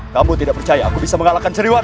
kamu tidak percaya aku bisa mengalahkan cerita